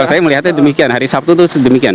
kalau saya melihatnya demikian hari sabtu itu sedemikian